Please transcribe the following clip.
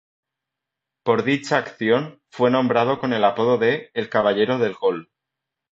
Por dicha acción, fue nombrado con el apodo de "El Caballero del Gol".